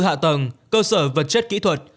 hạ tầng cơ sở vật chất kỹ thuật